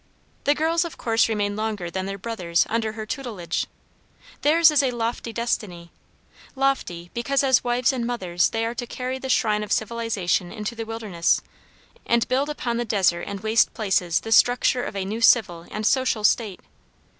The girls of course remain longer than their brothers under her tutelage. Theirs is a lofty destiny lofty because as wives and mothers they are to carry the shrine of civilization into the wilderness, and build upon the desert and waste places the structure of a new civil and social state.